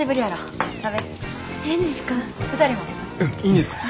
いいんですか？